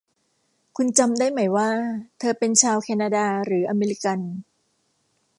คุณจำได้ไหมว่าเธอเป็นชาวแคนาดาหรืออเมริกัน